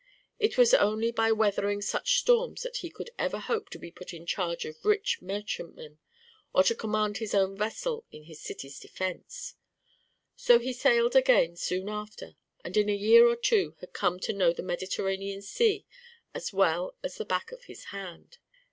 It was only by weathering such storms that he could ever hope to be put in charge of rich merchantmen or to command his own vessel in his city's defense. So he sailed again soon after, and in a year or two had come to know the Mediterranean Sea as well as the back of his hand.